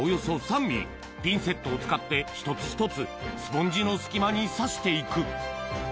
ピンセットを使って一つ一つスポンジの隙間に差して行く